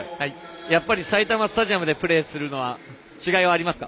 やっぱり埼玉スタジアムでプレーするのは違いますか？